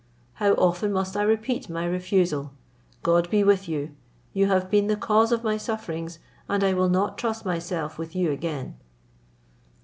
How often must I repeat my refusal. God be with you! You have been the cause of my sufferings, and I will not trust myself with you again."